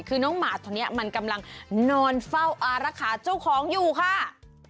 คือน้องหมาตัวนี้มันกำลังนอนเฝ้าอารักษาเจ้าของอยู่ค่ะ